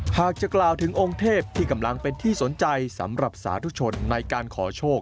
หากจะกล่าวถึงองค์เทพที่กำลังเป็นที่สนใจสำหรับสาธุชนในการขอโชค